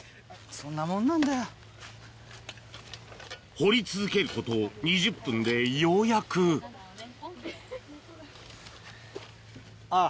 掘り続けること２０分でようやくあっ。